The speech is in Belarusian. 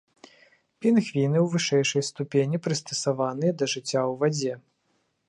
Пінгвіны, у вышэйшай ступені прыстасаваныя да жыцця ў вадзе.